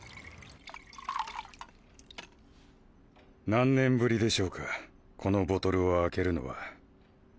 何年ぶりでしょうかこのボトルを開けるのは。